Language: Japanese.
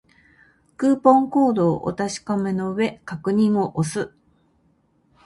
クーポンコードをお確かめの上、確認を押す